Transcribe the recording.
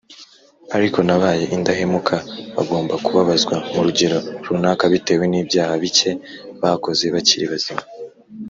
ariko n’ababaye indahemuka bagomba kubabazwa mu rugero runaka bitewe n’ibyahabike bakoze bakiri bazima